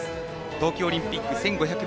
東京オリンピック、１５００